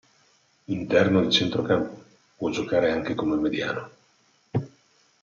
Interno di centrocampo, può giocare anche come mediano.